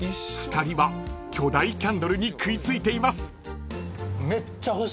［２人は巨大キャンドルに食い付いています］